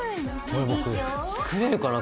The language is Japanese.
これ僕作れるかな？